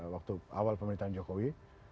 waktu awal pemerintahan jokowi